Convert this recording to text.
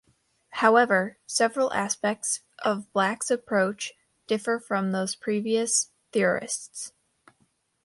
However, several aspects of Black's approach differ from those previous theorists.